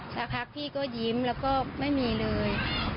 สักพักพี่ก็ยิ้มแล้วก็ไม่มีเลย